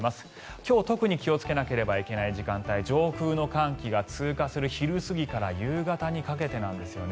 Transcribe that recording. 今日、特に気をつけなければいけない時間帯上空の寒気が通過する昼過ぎから夕方にかけてなんですよね。